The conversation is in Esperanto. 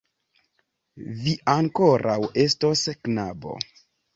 Vi ankoraŭ estos, knabo!